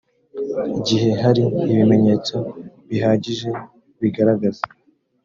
gihe hari ibimenyetso bihagije bigaragaza